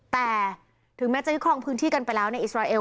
แต่ถึงแม้จะยึดครองพื้นที่กันไปแล้วในอิสราเอล